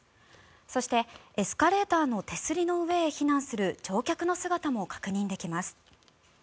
そして、エスカレーターの手すりの上へ避難する乗客の姿も確認できます。